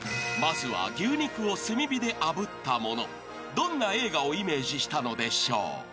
［どんな映画をイメージしたのでしょう］